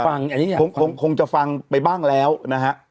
อยากฟังอยากฟังคงจะฟังไปบ้างแล้วนะฮะ